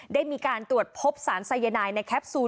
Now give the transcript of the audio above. ได้มีการตรวจพบสารสายนายในแคปซูล